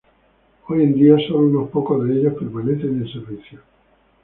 Hoy en día, sólo unos pocos de ellos permanecen en servicio.